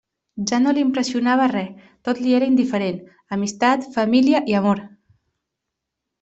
Ja no l'impressionava res; tot li era indiferent: amistat, família i amor.